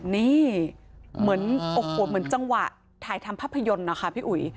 นี่เหมือนโอ้โหเหมือนจังหวะถ่ายทำภาพยนตร์นะคะพี่อุ๋ย